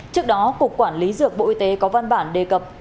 trước đó cục quản lý dược bộ y tế có văn bản đề cập